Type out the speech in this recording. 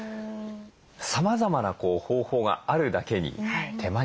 さまざまな方法があるだけに手間にもなりますよね。